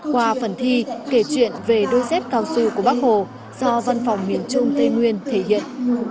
qua phần thi kể chuyện về đôi dép cao su của bắc hồ do văn phòng miền trung tây nguyên thể hiện